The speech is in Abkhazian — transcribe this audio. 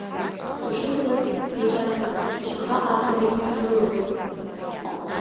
Ишылҳәаз иагьыҟалеит джьаха абна днылалеит.